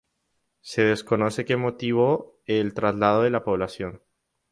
Se desconoce que motivó el traslado de la población.